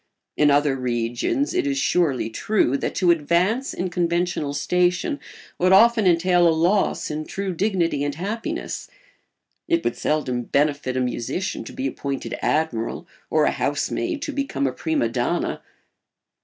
In other regions it is surely true that to advance in conventional station would often entail a loss in true dignity and happiness. It would seldom benefit a musician to be appointed admiral or a housemaid to become a prima donna.